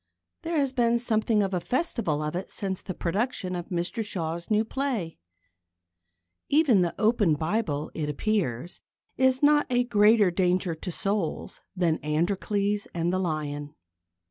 There has been something of a festival of it since the production of Mr Shaw's new play. Even the open Bible, it appears, is not a greater danger to souls than Androcles and the Lion.